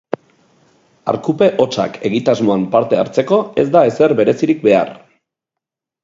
Arkupe hotsak egitasmoan parte hartzeko ez da ezer berezirik behar.